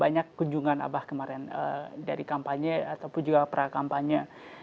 banyak kunjungan abah kemarin dari kampanye ataupun juga prakampanye